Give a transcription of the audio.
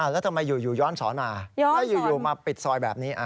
แล้วทำไมอยู่ย้อนสอนมาแล้วอยู่มาปิดซอยแบบนี้